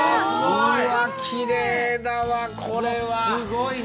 うわきれいだわこれは。すごいな。